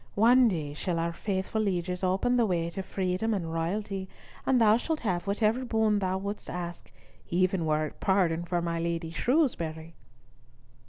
One day shall our faithful lieges open the way to freedom and royalty, and thou shalt have whatever boon thou wouldst ask, even were it pardon for my Lady Shrewsbury."